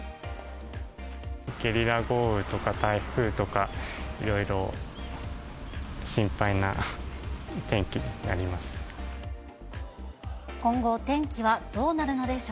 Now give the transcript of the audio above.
ゲリラ豪雨とか、台風とかいろいろ心配な天気になります。